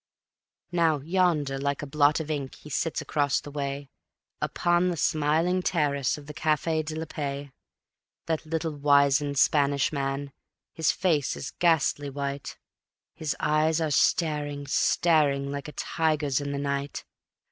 Now yonder like a blot of ink he sits across the way, Upon the smiling terrace of the Cafe de la Paix; That little wizened Spanish man, his face is ghastly white, His eyes are staring, staring like a tiger's in the night.